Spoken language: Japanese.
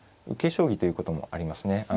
将棋ということもありますね。